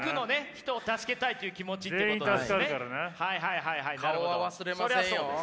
はいはいはいなるほどそりゃそうです。